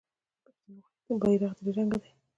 د پښتنو بیرغ درې رنګه دی.